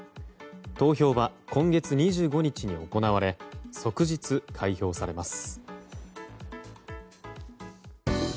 投票は今月２５日に行われ即日開票されます。